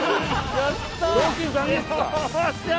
やったー！